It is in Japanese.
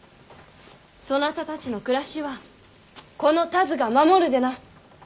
そなたたちの暮らしはこの田鶴が守るでな。